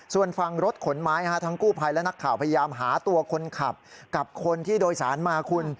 ส่วนฝั่งรถขนไม้ทั้งกู้ภัยและนักข่าวพยายามหาตัวคนขับกับคนที่โดยสารมาคุณ